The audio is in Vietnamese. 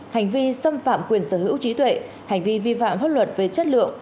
hành vi xâm phạm quyền sở hữu trí tuệ hành vi vi phạm pháp luật về chất lượng